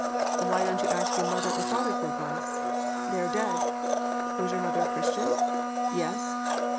"'Why don't you ask your mother or father for advice?' "'They are dead.' "'Was your mother a Christian?' "'Yes.'